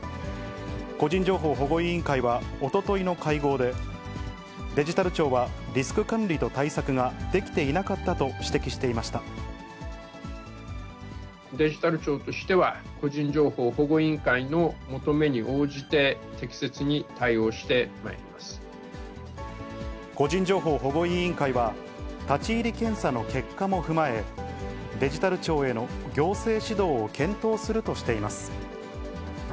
個人情報保護委員会は、おとといの会合で、デジタル庁はリスク管理と対策ができていなかったと指摘していまデジタル庁としては、個人情報保護委員会の求めに応じて、個人情報保護委員会は、立ち入り検査の結果も踏まえ、デジタル庁への行政指導を検討するとしています。